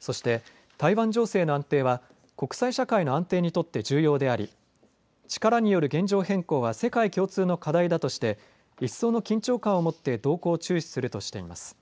そして台湾情勢の安定は国際社会の安定にとって重要であり、力による現状変更は世界共通の課題だとして一層の緊張感を持って動向を注視するとしています。